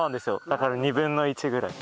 だから２分の１ぐらい。